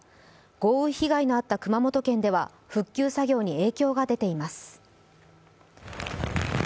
豪雨被害のあった熊本県では復旧作業に影響が出ています。